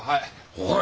おい！